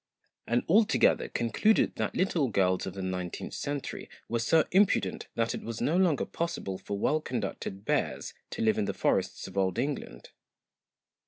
and all together concluded that little girls of the nineteenth century were so impudent that it was no longer possible for well conducted bears to live in the forests of Old England.